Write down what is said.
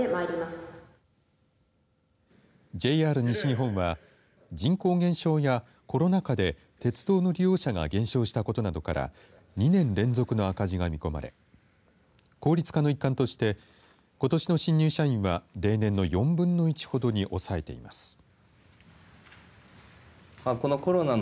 ＪＲ西日本は人口減少やコロナ禍で鉄道の利用者が減少したことなどから２年連続の赤字が見込まれ効率化の一環としてことしの新入社員は、例年の４分の１ほどに抑えています。